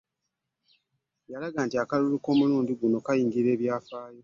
Yalaga nti akalulu k'omulundi guno kaayingira mu byafaayo